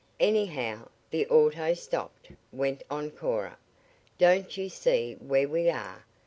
"Anyhow, the auto stopped," went on Cora. "Don't you see where we are?